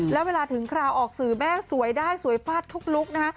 แล้วเวลาถึงคราวออกสื่อแม่สวยได้สวยฟาดทุกลุคนะฮะ